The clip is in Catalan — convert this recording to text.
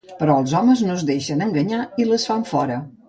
Però els homes no es deixen enganyar i les fan fora.